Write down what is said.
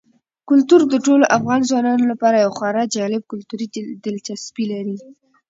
کلتور د ټولو افغان ځوانانو لپاره یوه خورا جالب کلتوري دلچسپي لري.